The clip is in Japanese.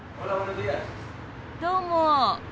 どうも。